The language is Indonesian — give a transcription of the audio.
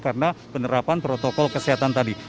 karena penerapan protokol kesehatan tadi